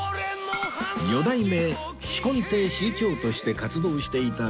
四代目紫紺亭志い朝として活動していた三宅さん